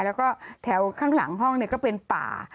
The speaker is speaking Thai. แล้วก็แถวข้างหลังห้องก็เป็นป่า